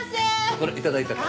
これ頂いたから。